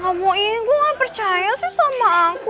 kamu ini gue gak percaya sih sama aku